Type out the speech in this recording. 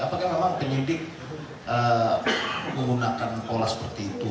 apakah memang penyidik menggunakan pola seperti itu